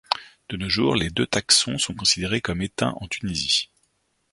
De nos jours, les deux taxons sont considérés comme éteints en Tunisie.